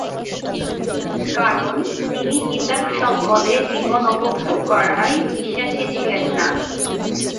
কারণ তিনি পিতার সম্পদে জীবন উপভোগ করায় বিশ্বাসী ছিলেন না।